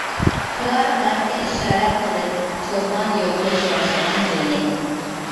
تۇرار غەمكىن ئىشارەت قىلىپ، چولپان يۇلتۇز باشلىغان يولنى.